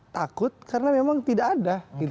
takut karena memang tidak ada